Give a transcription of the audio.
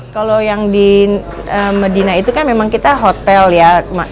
kalau yang di medina itu kan memang kita hotel ya